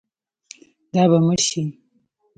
دا به مړ شي.